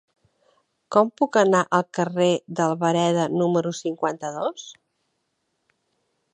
Com puc anar al carrer d'Albareda número cinquanta-dos?